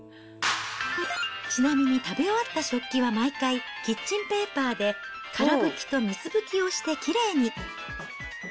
ちなみに、食べ終わった食器は毎回、キッチンペーパーでから拭きと水拭きをして、きれいに。